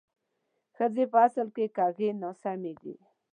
ښځې په اصل کې کږې ناسمې دي